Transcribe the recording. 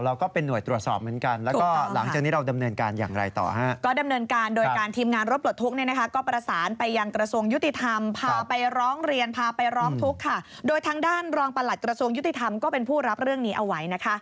เราก็เป็นหน่วยตรวจสอบเหมือนกัน